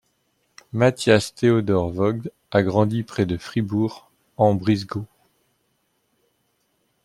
Matthias Theodor Vogt a grandi près de Fribourg-en-Brisgau.